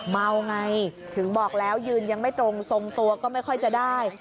เมาไงถึงบอกแล้วยืนยังไม่ตรงทรงตัวก็ไม่ค่อยจะได้